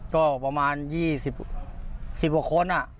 ก็ประมาณ๒๐กว่าคน